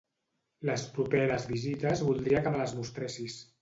Les properes visites voldria que me les mostressis.